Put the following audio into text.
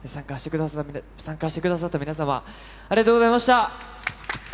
参加してくださった皆様、ありがとうございました。